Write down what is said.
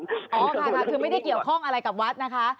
อ๋อค่ะคือไม่ได้เกี่ยวข้องอะไรกับวัดนะคะ